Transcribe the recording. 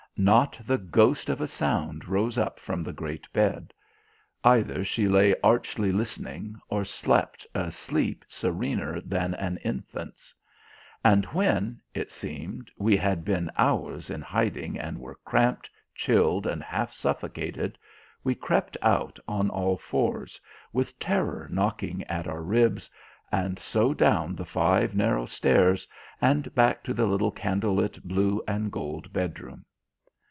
Not the ghost of a sound rose up from the great bed. Either she lay archly listening or slept a sleep serener than an infant's. And when, it seemed, we had been hours in hiding and were cramped, chilled, and half suffocated, we crept out on all fours, with terror knocking at our ribs, and so down the five narrow stairs and back to the little candle lit blue and gold bedroom.